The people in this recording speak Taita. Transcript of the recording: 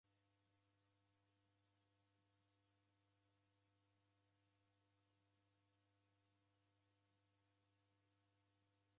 Mramko kana niko diendaghameria ijo ipwanyiko mpaka mwaka ghuchaa.